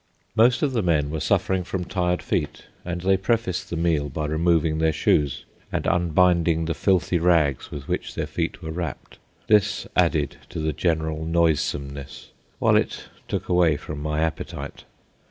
Most of the men were suffering from tired feet, and they prefaced the meal by removing their shoes and unbinding the filthy rags with which their feet were wrapped. This added to the general noisomeness, while it took away from my appetite.